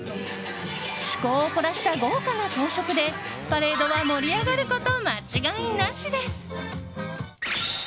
趣向を凝らした豪華な装飾でパレードは盛り上がること間違いなしです。